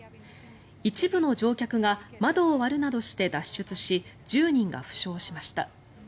一部の乗客が窓を割るなどして脱出し１０人が負傷しました。